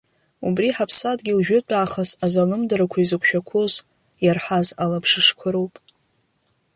Убри ҳаԥсадгьыл жәытәаахыс азалымдарақәа изықәшәақәоз иарҳаз алабжышқәа роуп.